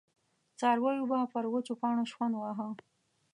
څارويو به پر وچو پاڼو شخوند واهه.